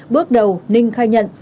bước đầu ninh khai nhận